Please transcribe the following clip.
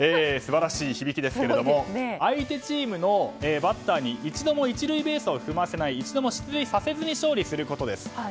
素晴らしい響きですけども相手チームのバッターに一度も１塁ベースを踏ませない一度も出塁させずに勝利することです。